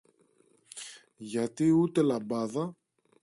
γιατί ούτε λαμπάδα